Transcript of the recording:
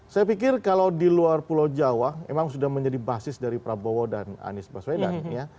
saya pikir kalau di luar pulau jawa memang sudah menjadi basis dari prabowo dan anies baswedan ya